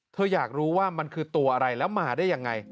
อยากรู้ว่ามันคือตัวอะไรแล้วมาได้ยังไง